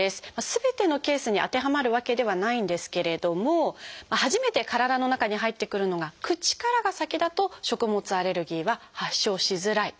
すべてのケースに当てはまるわけではないんですけれども初めて体の中に入ってくるのが口からが先だと食物アレルギーは発症しづらい。